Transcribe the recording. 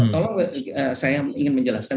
tolong saya ingin menjelaskan